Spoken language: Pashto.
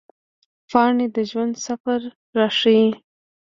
پاڼې د ژوند سفر راښيي